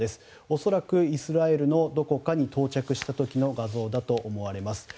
恐らくイスラエルのどこかに到着した時の画像だと思われます。